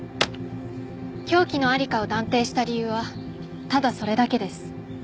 凶器の在りかを断定した理由はただそれだけです。